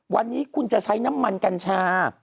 วันนี้คุณจะใช้น้ำมันกัญชา